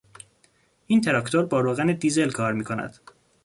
این تراکتور با روغن دیزل کار میکند.